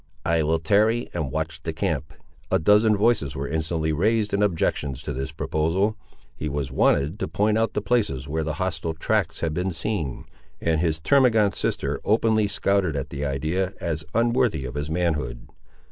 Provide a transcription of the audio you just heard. "I will tarry and watch the camp." A dozen voices were instantly raised in objections to this proposal. He was wanted to point out the places where the hostile tracks had been seen, and his termagant sister openly scouted at the idea, as unworthy of his manhood.